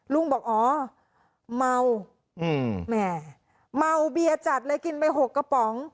ลุงบอกอ๋อเมาแหม่เมาเบียจัดเลยกินไป๖กระป๋อง